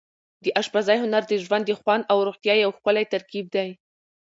د اشپزۍ هنر د ژوند د خوند او روغتیا یو ښکلی ترکیب دی.